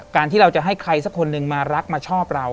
ที่เราจะให้ใครสักคนหนึ่งมารักมาชอบเรา